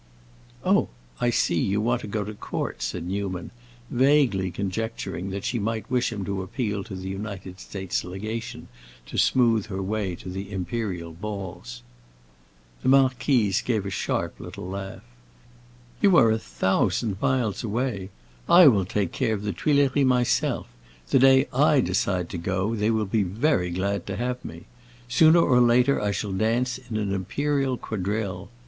"Oh, I see; you want to go to court," said Newman, vaguely conjecturing that she might wish him to appeal to the United States legation to smooth her way to the imperial halls. The marquise gave a little sharp laugh. "You are a thousand miles away. I will take care of the Tuileries myself; the day I decide to go they will be very glad to have me. Sooner or later I shall dance in an imperial quadrille.